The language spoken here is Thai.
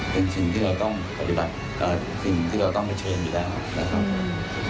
เป็นสิ่งที่เราต้องปฏิบัติสิ่งที่เราต้องเผชิญอยู่แล้วนะครับ